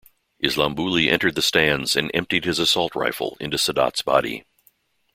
Islambouli entered the stands and emptied his assault rifle into Sadat's body.